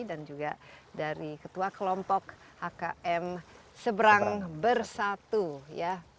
dan juga dari ketua kelompok hkm seberang bersatu ya